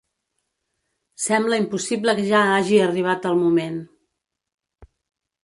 Sembla impossible que ja hagi arribat el moment.